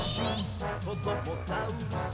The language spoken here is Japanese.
「こどもザウルス